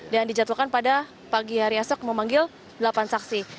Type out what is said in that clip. dan dijatuhkan pada pagi hari esok memanggil delapan saksi